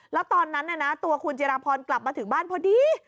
แล้วตอนนั้นตัวคุณจิราพรกลับมาถึงบ้านพอดี